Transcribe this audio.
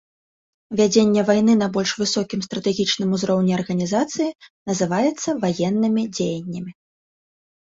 Вядзенне вайны на больш высокім, стратэгічным узроўні арганізацыі называецца ваеннымі дзеяннямі.